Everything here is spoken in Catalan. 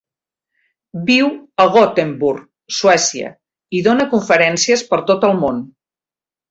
Viu a Gothenburg (Suècia) i dóna conferències per tot el món.